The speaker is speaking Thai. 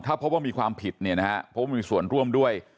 ถ้าพบว่ามีความผิดเนี่ยนะฮะเพราะว่ามีส่วนร่วมด้วย